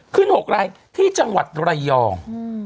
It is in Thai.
๖รายที่จังหวัดระยอง